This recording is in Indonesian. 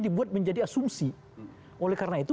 dibuat menjadi asumsi oleh karena itu